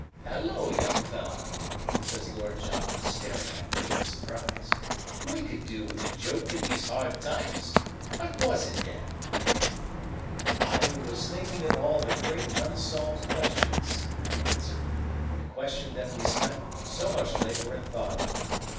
"Halloa, young fellah!" says Lord John, staring at me in surprise. "We could do with a joke in these hard times. What was it, then?" "I was thinking of all the great unsolved questions," I answer, "the questions that we spent so much labor and thought over.